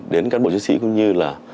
đến các bộ chí sĩ cũng như là